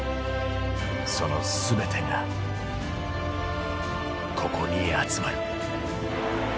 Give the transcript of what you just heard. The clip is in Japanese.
その全てが、ここに集まる。